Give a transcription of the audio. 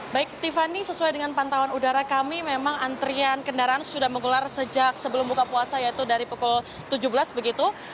baik tiffany sesuai dengan pantauan udara kami memang antrian kendaraan sudah menggelar sejak sebelum buka puasa yaitu dari pukul tujuh belas begitu